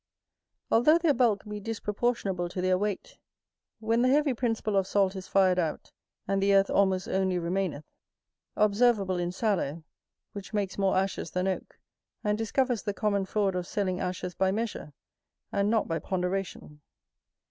Although their bulk be disproportionable to their weight, when the heavy principle of salt is fired out, and the earth almost only remaineth; observable in sallow, which makes more ashes than oak, and discovers the common fraud of selling ashes by measure, and not by ponderation.